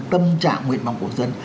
tâm trạng nguyện mong của dân